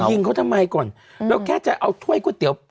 ยิงเขาทำไมก่อนเราแค่จะเอาถ้วยก๋วยเตี๋ยว